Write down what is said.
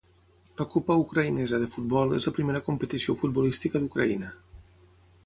La Copa Ucraïnesa de futbol és la primera competició futbolística d'Ucraïna.